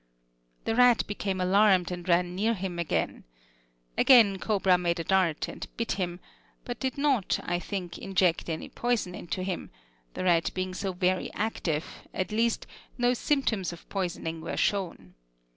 The rat became alarmed and ran near him again. Again cobra made a dart, and bit him, but did not, I think, inject any poison into him, the rat being so very active; at least, no symptoms of poisoning were shown.